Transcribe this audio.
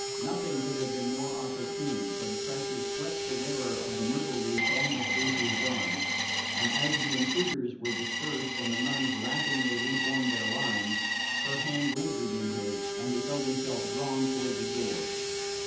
Nothing could have been more opportune, for the pressure swept the wearer of the myrtle wreath almost into his arms; and as the intruders were dispersed and the nuns laughingly reformed their lines, her hand lingered in his and he felt himself drawn toward the door.